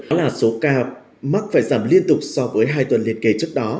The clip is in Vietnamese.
đó là số ca mắc phải giảm liên tục so với hai tuần liên kế trước đó